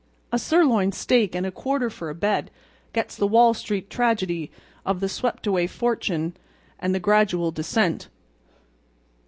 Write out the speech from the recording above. A sirloin steak and a quarter for a bed gets the Wall Street tragedy of the swept away fortune and the gradual descent.